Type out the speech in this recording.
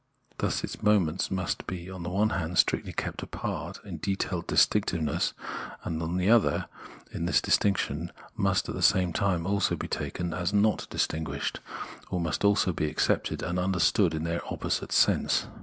Thus its moments must on the one hand be strictly kept apart in detailed distinctiveness, and, on the other, in this distinction must, at the same time, also be taken as not 175 176 Phenomenology of Mind distinguished, or must always be accepted and under stood in their opposite sense.